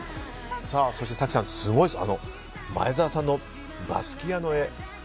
そしてすごいです、前澤さんのバスキアの絵。